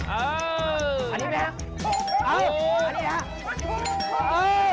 เอาที่บัดชัย